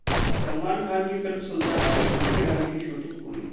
सलमान खान की फिल्म 'सुल्तान' के दूसरे गाने की शूटिंग पूरी